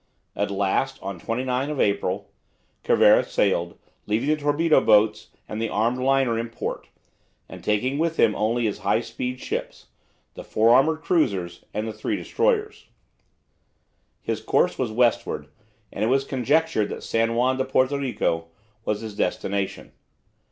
At last, on 29 April, Cervera sailed, leaving the torpedo boats and the armed liner in port, and taking with him only his high speed ships, the four armoured cruisers, and the three destroyers. His course was westward, and it was conjectured that San Juan de Puerto Rico was his destination.